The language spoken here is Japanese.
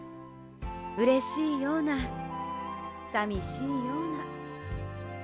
うれしいようなさみしいような。